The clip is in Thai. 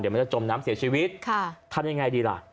เดี๋ยวมันจะจมน้ำเสียชีวิตทำยังไงดีล่ะ